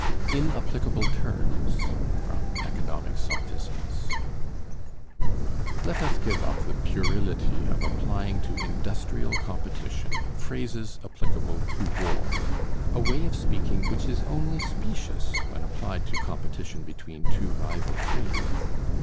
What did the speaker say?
INAPPLICABLE TERMS From 'Economic Sophisms' Let us give up ... the puerility of applying to industrial competition phrases applicable to war, a way of speaking which is only specious when applied to competition between two rival trades.